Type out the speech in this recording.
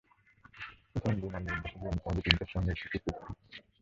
Hussain bin Ali এ উদ্দেশ্যে ব্রিটিশদের সাথে একটি চুক্তি করেন।